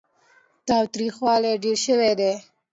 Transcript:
تاوتريخوالی ډېر شوی دی.